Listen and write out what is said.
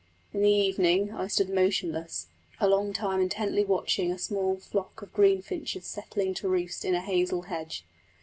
In the evening I stood motionless a long time intently watching a small flock of greenfinches settling to roost in a hazel hedge.